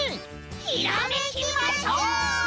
ひらめきましょう！